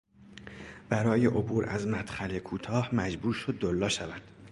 برای عبور از مدخل کوتاه مجبور شد دولا شود.